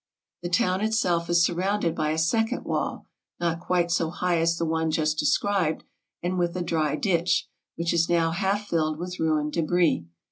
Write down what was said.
The town itself is surrounded by a second wall, not quite so high as the one just described, and with a dry ditch, which is now half filled with ruined debris.